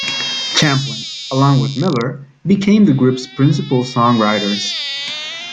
Champlin, along with Miller, became the group's principal songwriters.